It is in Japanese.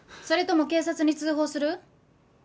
それとも警察に通報する？